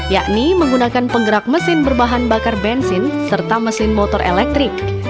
yakni menggunakan penggerak mesin berbahan bakar bensin serta mesin motor elektrik